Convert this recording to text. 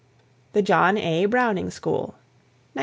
The John A. Browning School, 1904.